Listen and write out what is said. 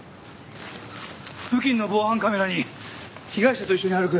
付近の防犯カメラに被害者と一緒に歩く